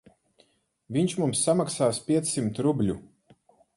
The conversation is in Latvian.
Viņš mums samaksās piecsimt rubļu.